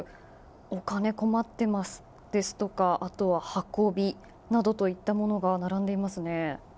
お金困ってますですとかあとは＃運びなどといったものが並んでいますね。